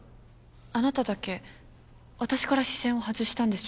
あなただけ私から視線を外したんです。